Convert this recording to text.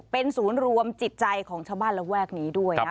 เป็นศูนย์รวมจิตใจของชาวบ้านระแวกนี้ด้วยนะ